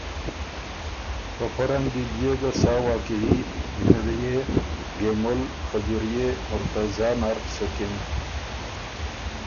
په پۀ رنګ دی بئے ګه سا واقعيي ګنرړيې، ګېمُل، خجُوريې، مُرتضیٰ نر سُکِن۔